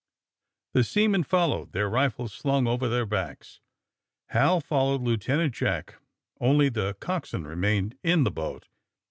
The seamen followed, their rifles slung over their backs. Hal followed Lieutenant Jack. Only the cox swain remained in the boat.